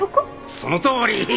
そのとおり！